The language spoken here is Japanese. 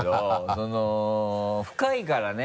その深いからね。